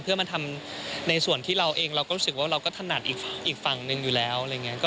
เพื่อมาทำในส่วนที่เราเองเราก็รู้สึกว่าเราก็ถนัดอีกฝั่งหนึ่งอยู่แล้วอะไรอย่างนี้